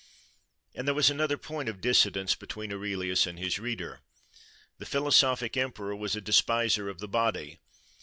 And there was another point of dissidence between Aurelius and his reader.—The philosophic emperor was a despiser of the body.